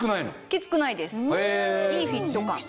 きつくないですいいフィット感。